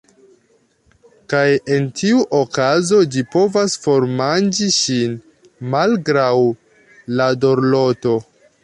Kaj en tiu okazo ĝi povas formanĝi ŝin, malgraŭ la dorloto.